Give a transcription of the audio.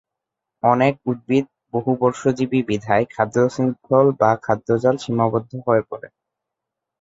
অনেক উদ্ভিদ বহুবর্ষজীবী বিধায় খাদ্যশৃঙ্খল বা খাদ্যজাল সীমাবদ্ধ হয়ে পড়ে।